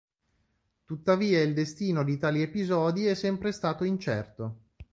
Tuttavia il destino di tali episodi è sempre stato incerto.